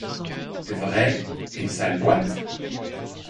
Vrai, une sale boîte?